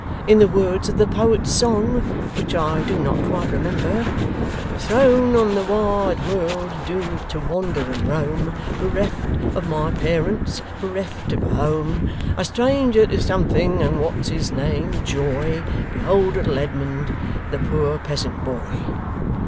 In the words of the poet's song, which I do not quite remember: Thrown on the wide world, doom'd to wander and roam, Bereft of my parents, bereft of a home, A stranger to something and what's his name joy, Behold little Edmund the poor Peasant boy.